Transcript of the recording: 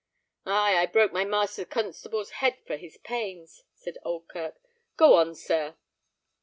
"Ay, I broke master constable's head for his pains," said Oldkirk. "Go on, sir."